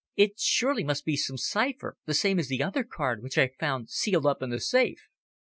"It surely must be some cipher, the same as the other card which I found sealed up in the safe."